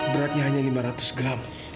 beratnya hanya lima ratus gram